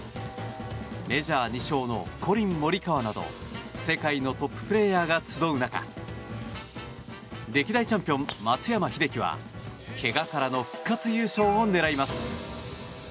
メジャー２勝のコリン・モリカワなど世界のトッププレーヤーが集う中歴代チャンピオン松山英樹はけがからの復活優勝を狙います。